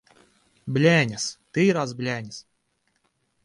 Blēņas! Tīrās blēņas!